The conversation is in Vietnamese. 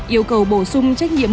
yêu cầu bổ sung trách nhiệm